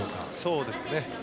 そうですね。